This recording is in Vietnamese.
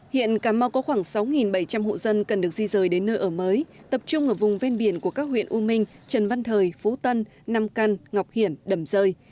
hiện cà mau có khoảng sáu bảy trăm linh hộ dân cần được di rời đến nơi ở mới tập trung ở vùng ven biển của các huyện u minh trần văn thời phú tân nam căn ngọc hiển đầm rơi